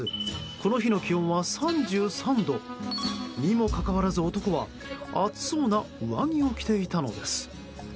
この日の気温は３３度。にもかかわらず、男は暑そうな上着を着ていたのです。